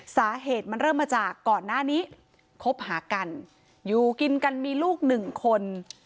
สาเหตุมันเริ่มมาจากก่อนหน้านี้คบหากันอยู่กินกันมีลูกหนึ่งคน